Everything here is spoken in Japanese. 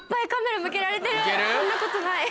こんなことない！